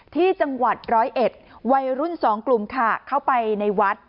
ที่จังหวัดร้อยเอ็ดวัยรุ่นสองกลุ่มค่ะเข้าไปในวัด